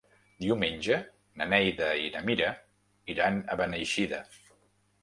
Diumenge na Neida i na Mira iran a Beneixida.